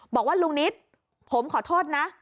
บอกว่าลุงนิดผมขอโทษนะ